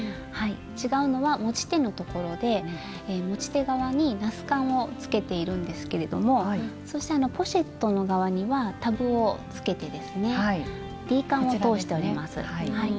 違うのは持ち手のところで持ち手側にナスカンをつけているんですけれどもそしてポシェットの側にはタブをつけてですねＤカンを通してあります。